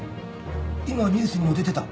「今ニュースにも出てた！